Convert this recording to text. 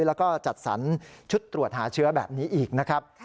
แล้วก็จัดสรรชุดตรวจหาเชื้อแบบนี้อีกนะครับ